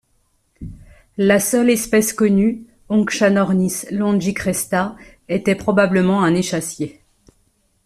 La seule espèce connue, Hongshanornis longicresta, était probablement un échassier.